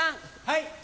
はい。